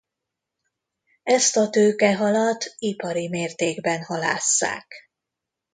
Ezt a tőkehalat ipari mértékben halásszák.